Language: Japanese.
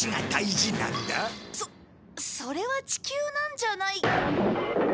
そそれは地球なんじゃない。